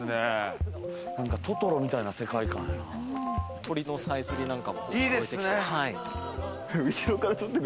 『トトロ』みたいな世界観や鳥のさえずりなんかも聞こえてきたりして。